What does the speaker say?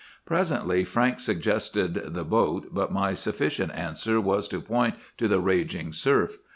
"Presently Frank suggested the boat, but my sufficient answer was to point to the raging surf.